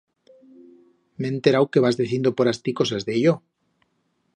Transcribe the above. M'he enterau que vas decindo por astí cosas de yo.